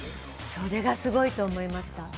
それがすごいと思いました。